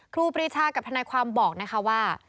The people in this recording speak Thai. ครูปรีชากับธนาความบอกว่า